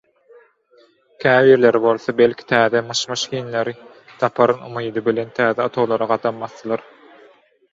Käbirleri bolsa belki täze "myş-myş" hinleri taparyn umydy bilen täze otaglara gadam basdylar.